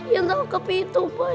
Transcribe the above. yang tangkap itu pak